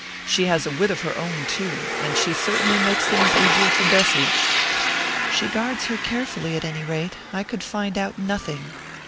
She has a wit of her own, too and she certainly makes things easier for Bessy." "She guards her carefully, at any rate. I could find out nothing."